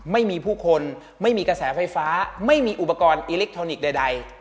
ไม่มีผู้คนไม่มีกระแสไฟฟ้าไม่มีอุปกรณ์อิเล็กทรอนิกส์ใด